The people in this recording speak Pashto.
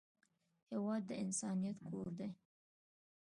هېواد د انسانیت کور دی.